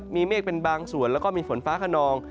มีเมฆเป็นบางส่วนแล้วก็มีฝนฟ้าขนอง